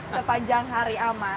sepanjang hari aman